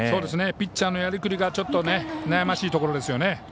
ピッチャーのやりくりが悩ましいところですね。